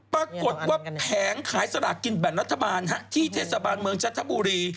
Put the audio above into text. ปรากฏว่าแผงขายสลากกินแบ่งรัฐบาลที่เทศบาลเมืองจันทบุรี